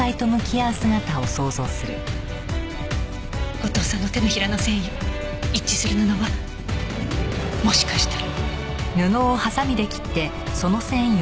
後藤さんの手のひらの繊維一致する布はもしかしたら。